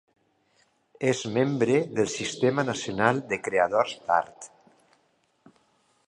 És membre del Sistema Nacional de Creadors d'Art.